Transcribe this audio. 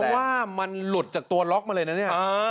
สเนื้อว่ามันหลุดจากตัวล๊อคมาเลยนั่นเนี้ย